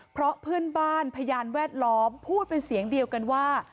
เพราะเพื่อนบ้านพยานแวดล้อมพูดเป็นเสียงเดียวกันว่า